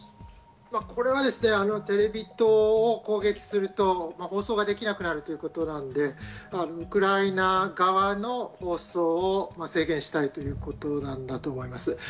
これはテレビ塔を攻撃すると放送ができなくなるということなんで、ウクライナ側の放送を制限したいということなんだと思います。